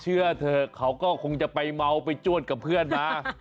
เชื่อเถอะเขาก็คงจะไปเมาไปจ้วนกับเพื่อนมา